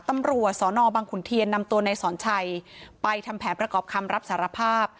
ตำรวจสนบังขุนเทียนนำตัวนายสอนชัยไปทำแผนประกอบคำรับสารภาพ